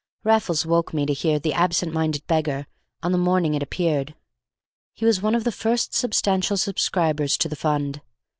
Raffles woke me to hear The Absent Minded Beggar on the morning it appeared; he was one of the first substantial subscribers to the fund.